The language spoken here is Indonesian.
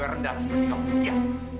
yang rendah seperti kamu ya